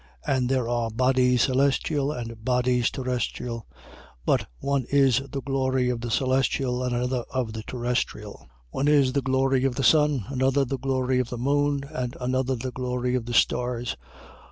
15:40. And there are bodies celestial and bodies terrestrial: but, one is the glory of the celestial, and another of the terrestrial. 15:41. One is the glory of the sun, another the glory of the moon, and another the glory of the stars.